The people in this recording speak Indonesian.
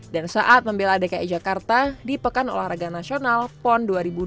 dan saat membela dki jakarta di pekan olahraga nasional pon dua ribu dua belas